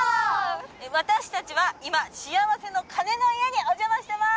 「私たちは今しあわせの鐘の家にお邪魔してます！」